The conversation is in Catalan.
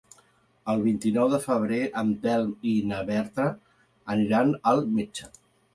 El vint-i-nou de febrer en Telm i na Berta aniran al metge.